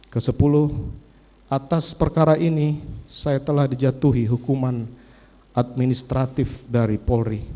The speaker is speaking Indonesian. ke sepuluh atas perkara ini saya telah dijatuhi hukuman administratif dari polri